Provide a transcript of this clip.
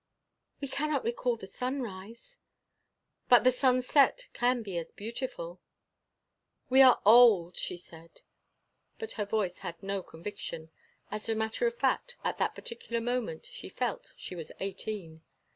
"We cannot recall the sunrise—" "But the sunset can be as beautiful!" "We are old," she said; but her voice had no conviction. As a matter of fact, at that particular moment she felt she was eighteen.